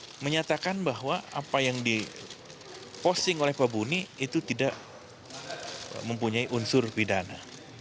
saya menyatakan bahwa apa yang diposting oleh pak buni itu tidak mempunyai unsur pidana